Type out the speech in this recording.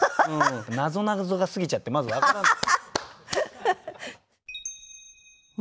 なぞなぞが過ぎちゃってまず分からない。